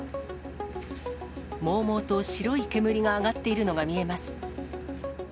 もうもうと白い煙が上がっているのが見えます。